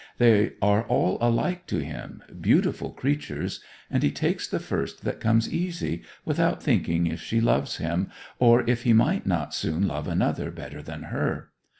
They are all alike to him, beautiful creatures, and he takes the first that comes easy, without thinking if she loves him, or if he might not soon love another better than her.